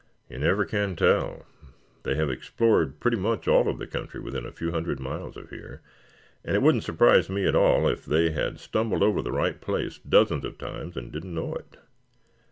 "You never can tell. They have explored pretty much all of the country within a few hundred miles of here, and it wouldn't surprise me at all if they had stumbled over the right place dozens of times and didn't know it.